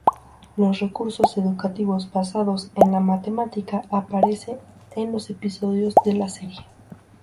Los recursos educativos basados en la matemática aparece en los episodios de la serie.